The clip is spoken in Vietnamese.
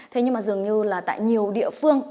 thế nhưng mà dường như là tại nhiều địa phương